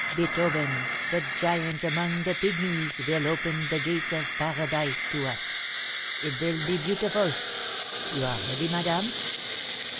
Beethoven, de giant among de pygmies, vill open de gates of baradize to us. It vill be beautiful. You are ready, madame?"